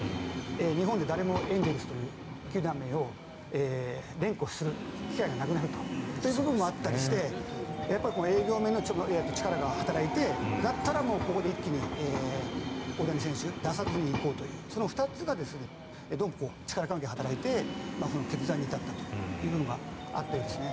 日本で誰もエンゼルスという球団名を連呼する機会がなくなるという部分もあったりしてやっぱり営業面の力が働いてだったら、ここで一気に大谷選手を出さずに行こうというその２つがどうも力関係が働いてその決断に至ったというのがあったようですね。